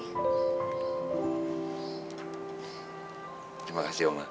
terima kasih oma